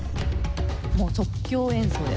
もう即興演奏です